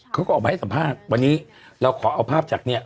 เขาก็ออกมาให้สัมภาษณ์วันนี้เราขอเอาภาพจากเนี่ย